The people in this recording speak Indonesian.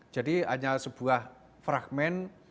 jadi hanya sebuah fragment